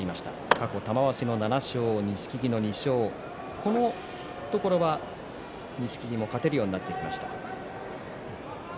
過去、玉鷲の７勝、錦木の２勝このところは錦木も勝てるようになってきました。